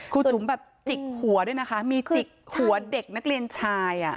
จุ๋มแบบจิกหัวด้วยนะคะมีจิกหัวเด็กนักเรียนชาย